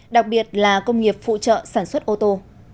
đặc biệt là công nghiệp phụ trợ sản xuất ô tô